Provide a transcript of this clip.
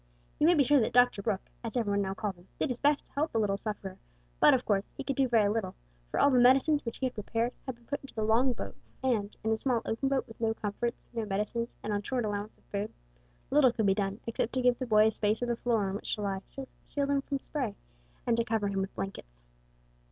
You may be sure that Dr Brooke, as every one now called him, did his best to help the little sufferer, but, of course, he could do very little, for all the medicines which he had prepared had been put into the long boat, and, in a small open boat with no comforts, no medicines, and on short allowance of food, little could be done, except to give the boy a space of the floor on which to lie, to shield him from spray, and to cover him with blankets.